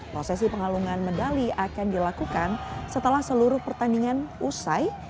prosesi pengalungan medali akan dilakukan setelah seluruh pertandingan usai